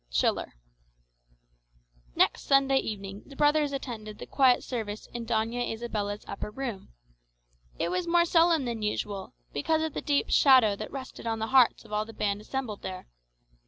Schiller Next Sunday evening the brothers attended the quiet service in Doña Isabella's upper room. It was more solemn than usual, because of the deep shadow that rested on the hearts of all the band assembled there.